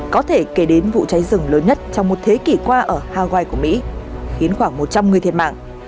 có thể kể đến vụ cháy rừng lớn nhất trong một thế kỷ qua ở hawaii của mỹ khiến khoảng một trăm linh người thiệt mạng